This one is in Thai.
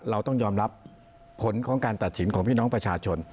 เราต้องยอมรับผลของการตัดสินของพี่น้องประชาชน